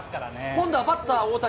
今度はバッター大谷。